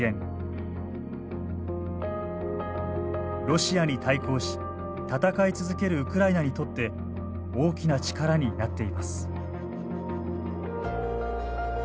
ロシアに対抗し戦い続けるウクライナにとって大きな力になっています。